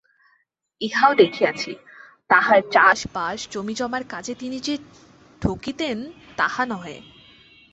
ইহাও দেখিয়াছি, তাঁহার চাষবাস জমিজমার কাজে তিনি যে ঠকিতেন তাহা নহে।